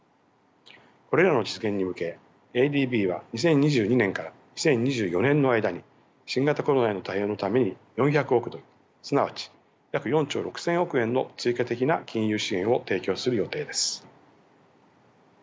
これらの実現に向けＡＤＢは２０２２年から２０２４年の間に新型コロナへの対応のために４００億ドルすなわち約４兆６，０００億円の追加的な金融支援を提供する予定です。